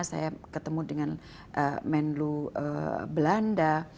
saya ketemu dengan menlo belanda